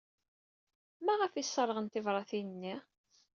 Maɣef ay sserɣen tibṛatin-nni?